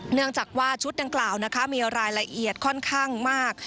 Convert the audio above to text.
เนื่องจากว่าชุดดังกล่าวนะคะมีรายละเอียดค่อนข้างมาก